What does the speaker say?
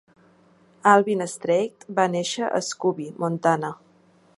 Alvin Straight a néixer a Scobey, Montana.